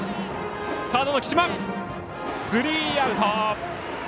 スリーアウト。